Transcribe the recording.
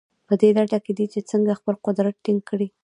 په دې لټه کې دي چې څنګه خپل قدرت ټینګ کړي.